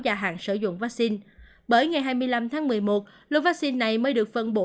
gia hạn sử dụng vaccine bởi ngày hai mươi năm tháng một mươi một lô vaccine này mới được phân bổ